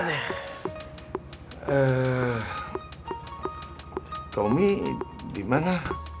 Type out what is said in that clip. ehh tommy dimana